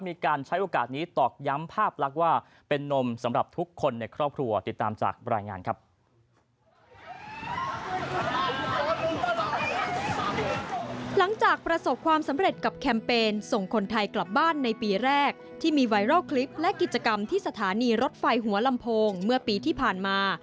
มีการใช้โอกาสนี้ตอบย้ำภาพลักษณ์ว่า